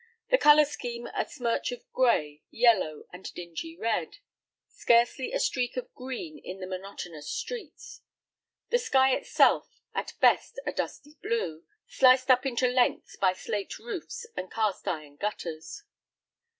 The color scheme a smirch of gray, yellow, and dingy red. Scarcely a streak of green in the monotonous streets. The sky itself, at best a dusty blue, sliced up into lengths by slate roofs and cast iron gutters.